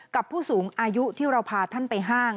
ผู้สูงอายุที่เราพาท่านไปห้าง